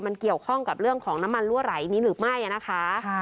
มันเกี่ยวข้องกับเรื่องของน้ำมันรั่วไหลนี้หรือไม่นะคะ